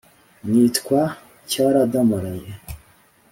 nitwa cyaradamaraye.